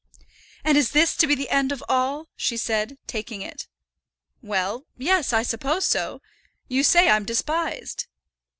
"And is this to be the end of all?" she said, taking it. "Well, yes; I suppose so. You say I'm despised."